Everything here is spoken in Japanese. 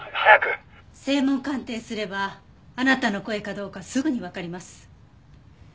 声紋鑑定すればあなたの声かどうかすぐにわかります。